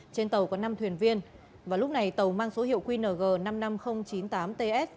trên tàu có năm thuyền viên và lúc này tàu mang số hiệu qng năm mươi năm nghìn chín mươi tám ts